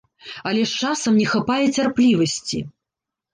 Але ж часам не хапае цярплівасці.